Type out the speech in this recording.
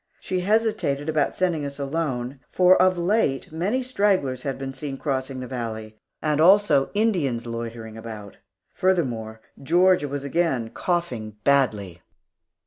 She hesitated about sending us alone, for of late many stragglers had been seen crossing the valley, and also Indians loitering about. Furthermore, Georgia was again coughing badly.